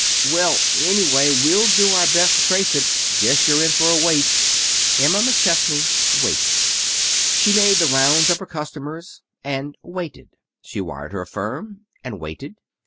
"Well, anyway, we'll do our best to trace it. Guess you're in for a wait." Emma McChesney waited. She made the rounds of her customers, and waited. She wired her firm, and waited.